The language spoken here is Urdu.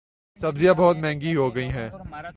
سبزیاں بہت مہنگی ہوگئی ہیں